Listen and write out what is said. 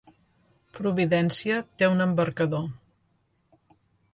Providència té un embarcador.